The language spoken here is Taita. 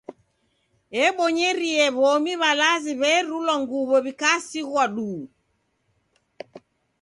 Ebonyeria w'omi w'alazi w'erulwa nguw'o w'ikasighwa duu.